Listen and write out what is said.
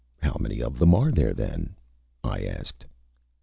How many of them are there, then?Â I asked.